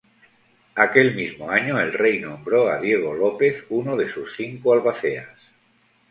Aquel mismo año, el rey nombró a Diego López uno de sus cinco albaceas.